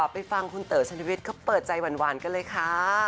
ไปฟังคุณเต๋อชันวิทย์เขาเปิดใจหวานกันเลยค่ะ